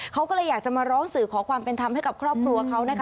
เขาก็เลยอยากจะมาร้องสื่อขอความเป็นธรรมให้กับครอบครัวเขานะคะ